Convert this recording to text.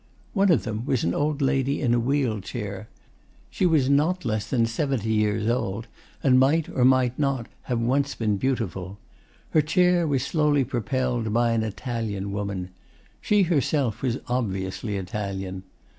One of them was an old lady in a wheeled chair. She was not less than seventy years old, and might or might not have once been beautiful. Her chair was slowly propelled by an Italian woman. She herself was obviously Italian.